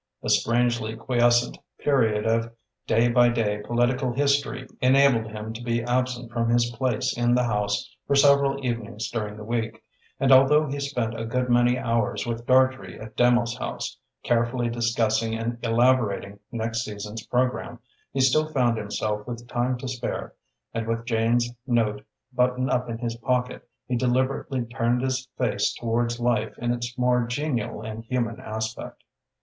A strangely quiescent period of day by day political history enabled him to be absent from his place in the House for several evenings during the week, and although he spent a good many hours with Dartrey at Demos House, carefully discussing and elaborating next season's programme, he still found himself with time to spare, and with Jane's note buttoned up in his pocket, he deliberately turned his face towards life in its more genial and human aspect.